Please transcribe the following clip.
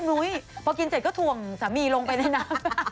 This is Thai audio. นุ้ยพวกกินเสร็จก็ถว่มสามีลงไปได้นัก